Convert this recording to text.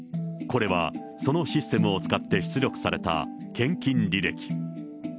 これはそのシステムを使って出力された献金履歴。